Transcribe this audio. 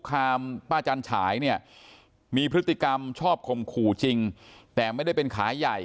คามป้าจันฉายเนี่ยมีพฤติกรรมชอบข่มขู่จริงแต่ไม่ได้เป็นขาใหญ่